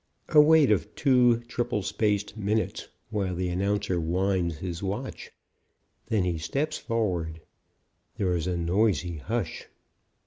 A wait of two triple space minutes while the announcer winds his watch. Then he steps forward. There is a noisy hush.